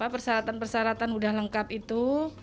persyaratan persyaratan sudah lengkap itu